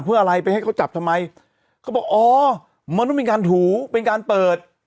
เพื่ออะไรไปให้เขาจับทำไมเขาบอกอ๋อมันต้องเป็นการถูเป็นการเปิด